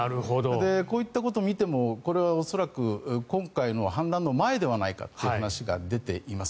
こういったことを見てもこれは恐らく今回の反乱の前なんじゃないかという話が出ています。